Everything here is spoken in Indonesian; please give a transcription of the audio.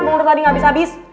menurut adik abis abis